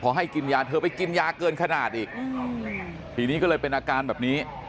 ให้กินยาเธอไปกินยาเกินขนาดอีกทีนี้ก็เลยเป็นอาการแบบนี้